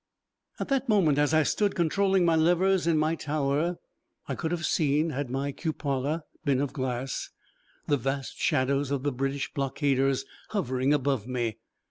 At that moment, as I stood controlling my levers in my tower, I could have seen, had my cupola been of glass, the vast shadows of the British blockaders hovering above me.